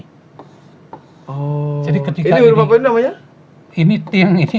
oh jadi ketika ini